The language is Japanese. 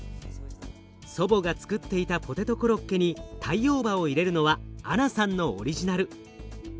祖母がつくっていたポテトコロッケにタイオーバを入れるのはアナさんのオリジナル。